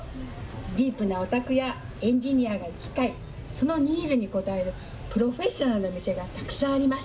ディープなオタクや、エンジニアが行き交い、そのニーズに応えるプロフェッショナルな店がたくさんあります。